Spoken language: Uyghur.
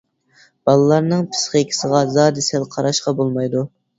بالىلارنىڭ پىسخىكىسىغا زادى سەل قاراشقا بولمايدۇ.